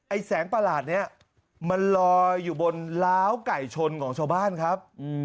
แสงประหลาดนี้มันลอยอยู่บนล้าวไก่ชนของชาวบ้านครับ